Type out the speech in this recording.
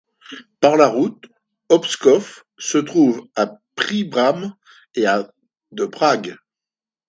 Par la route, Občov se trouve à de Příbram et à de Prague.